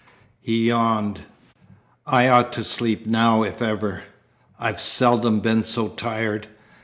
He yawned. "I ought to sleep now if ever. I've seldom been so tired.